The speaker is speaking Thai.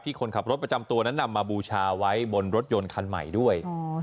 คนขับรถประจำตัวนั้นนำมาบูชาไว้บนรถยนต์คันใหม่ด้วย